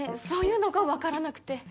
そういうのがわからなくて。